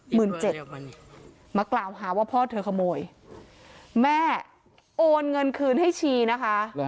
มากล่าวหาว่าพ่อเธอขโมยแม่โอนเงินคืนให้ชีนะคะ